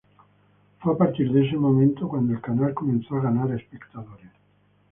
Fue a partir de este momento, cuando el canal comenzó a ganar espectadores.